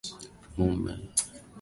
Mume kulipa gharama ya hospitali